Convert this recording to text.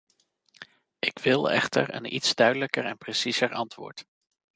Ik wil echter een iets duidelijker en preciezer antwoord.